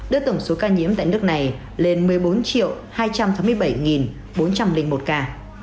đưa tổng số ca nhiễm tại nước này lên một mươi bốn hai trăm sáu mươi bảy bốn trăm linh một ca